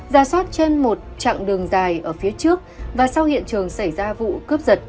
gia soát trên một trạng đường dài ở phía trước và sau hiện trường xảy ra vụ cướp giật